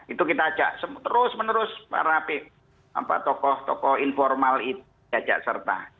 itu kita ajak terus menerus para tokoh tokoh informal itu diajak serta